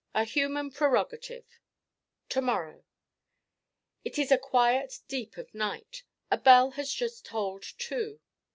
A human prerogative To morrow It is a quiet deep of night. A bell has just tolled two.